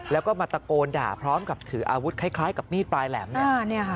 แล้วก็มาตะโกนด่าพร้อมกับถืออาวุธคล้ายกับมีดปลายแหลมเนี่ยค่ะ